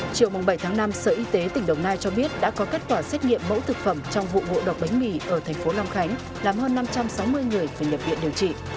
chiều bảy tháng năm sở y tế tỉnh đồng nai cho biết đã có kết quả xét nghiệm mẫu thực phẩm trong vụ ngộ độc bánh mì ở thành phố long khánh làm hơn năm trăm sáu mươi người phải nhập viện điều trị